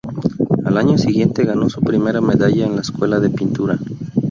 Al año siguiente ganó su primera medalla en la escuela de pintura.